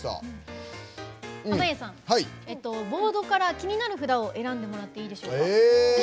濱家さん、ボードから気になる札を選んでもらっていいでしょうか。